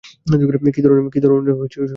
কী ধরণের স্বপ্ন?